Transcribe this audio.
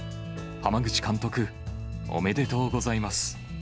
濱口監督、おめでとうございます。